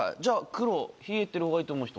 黒冷えてるほうがいいと思う人。